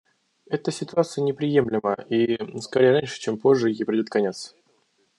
Эта ситуация неприемлема и, скорее раньше, чем позже, ей придет конец.